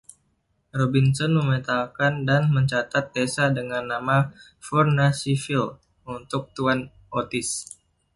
Robinson memetakan dan mencatat desa dengan nama "Furnaceville" untuk Tuan Otis.